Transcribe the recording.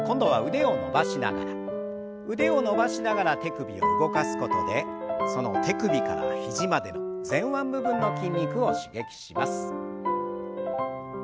腕を伸ばしながら手首を動かすことでその手首から肘までの前腕部分の筋肉を刺激します。